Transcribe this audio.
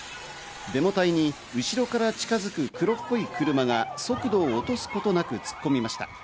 デモ隊に後ろから近づく黒っぽい車が速度を落とすことなく、突っ込みました。